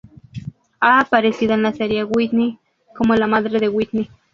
Ha aparecido en la serie "Whitney" como la madre de Whitney.